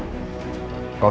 apa gue harus kabur